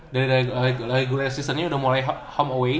dari regular as seasonnya udah mulai home away